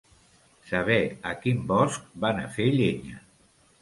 Saber a quin bosc van a fer llenya.